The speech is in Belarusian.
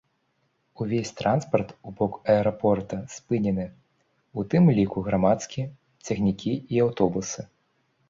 Увесь транспарт у бок аэрапорта спынены, у тым ліку грамадскі, цягнікі і аўтобусы.